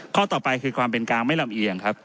ข้อต่อไปคือความเป็นกลางไม่ลำเอียงครับ